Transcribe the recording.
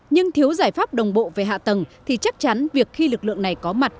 nhưng thiếu giải pháp đồng bộ về hạ tầng thì chắc chắn việc khi lực lượng này có mặt